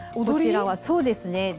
そうですね。